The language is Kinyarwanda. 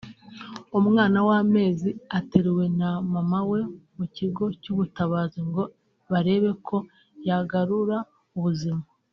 umwana w'amezi ateruwe na mama we mu kigo cy'ubutabazi ngo barebe ko yagarura ubuzima